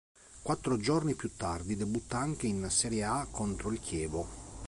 Quattro giorni più tardi, debutta anche in Serie A contro il Chievo.